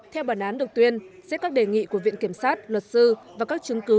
theo bản án được tuyên xét các đề nghị của viện kiểm sát luật sư và các chứng cứ